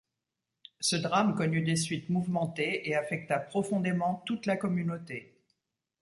Ce drame connut des suites mouvementées et affecta profondément toute la communauté.